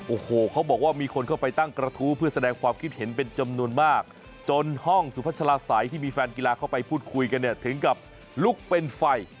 โอ้โหเขาบอกว่ามีคนเข้าไปตั้งกระทู้เพื่อแสดงความคิดเห็นเป็นจำนวนมากจนห้องสุพัชลาศัยที่มีแฟนกีฬาเข้าไปพูดคุยกันเนี่ยถึงกับลุกเป็นไฟ